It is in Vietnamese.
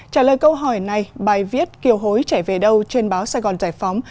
trả lời câu hỏi này bài viết kiều hối chảy về đâu trên báo sài gòn giải phóng